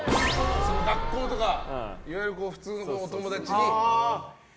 学校とかいわゆる普通の友達に。